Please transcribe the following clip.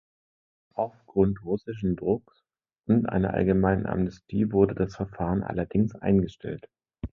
Auf Grund russischen Drucks und einer allgemeinen Amnestie wurde das Verfahren allerdings eingestellt.